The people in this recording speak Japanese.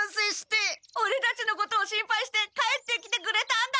オレたちのことを心配して帰ってきてくれたんだ！？